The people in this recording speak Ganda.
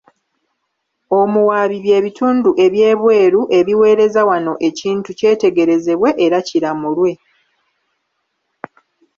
Omuwaabi bye bitundu eby'ebweru ebiweereza wano ekintu kyetegerezebwe era kiramulwe.